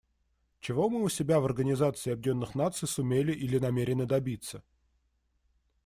Чего мы у себя в Организации Объединенных Наций сумели или намерены добиться?